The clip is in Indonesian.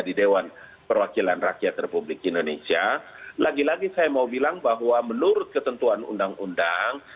di dewan perwakilan rakyat republik indonesia lagi lagi saya mau bilang bahwa menurut ketentuan undang undang